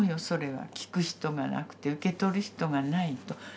それはきく人がなくて受け取る人がないと。